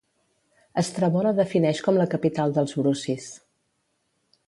Estrabó la defineix com la capital dels Brucis.